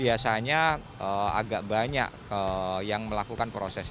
biasanya agak banyak yang melakukan proses